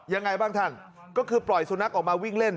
ยังไงบ้างท่านก็คือปล่อยสุนัขออกมาวิ่งเล่น